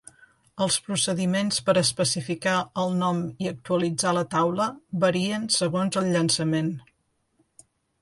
Els procediments per especificar el nom i actualitzar la taula varien segons el llançament.